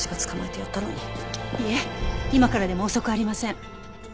いえ今からでも遅くありません。